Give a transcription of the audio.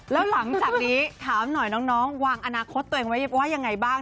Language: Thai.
แล้วหลังจากนี้ถามหน่อยน้องวางอนาคตตัวเองไว้ว่ายังไงบ้าง